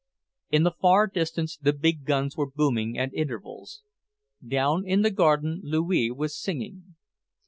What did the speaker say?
In the far distance the big guns were booming at intervals. Down in the garden Louis was singing.